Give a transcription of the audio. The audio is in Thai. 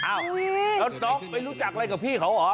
อ้าวแล้วต๊อกไม่รู้จักอะไรกับพี่เขาเหรอ